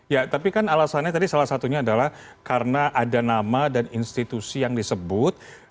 ya tapi kan alasannya tadi salah satunya adalah karena ada nama dan institusi yang disebut